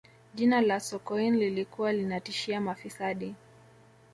jina la sokoine lilikuwa linatishia mafisadi